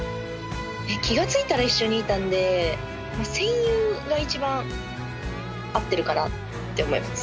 気が付いたら一緒にいたんで戦友が一番合ってるかなって思います。